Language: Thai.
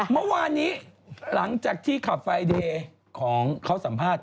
เมื่อวานนี้หลังจากที่ขับไฟเดย์ของเขาสัมภาษณ์